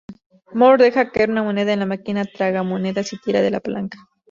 Moore deja caer una moneda en la máquina tragamonedas y tira de la palanca.